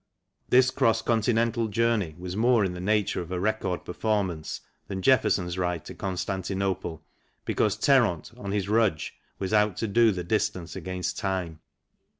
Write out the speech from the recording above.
This cross Continental journey was more in the nature of a record performance than Jefferson's ride to Con stantinople, because Terront, on his Rudge, was out to do the distance against time.